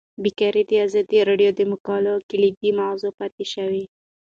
بیکاري د ازادي راډیو د مقالو کلیدي موضوع پاتې شوی.